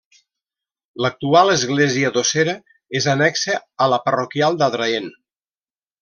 L'actual església d'Ossera és annexa a la parroquial d'Adraén.